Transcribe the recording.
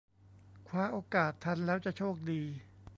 คว้าโอกาสทันแล้วจะโชคดี